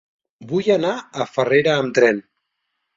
Vull anar a Farrera amb tren.